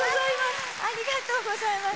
ありがとうございます。